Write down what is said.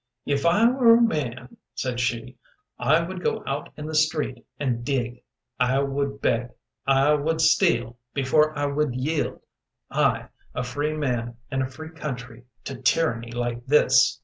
"If I were a man," said she, "I would go out in the street and dig I would beg, I would steal before I would yield I, a free man in a free country to tyranny like this!"